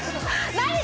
何？